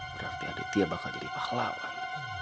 berarti aditya bakal jadi pahlawan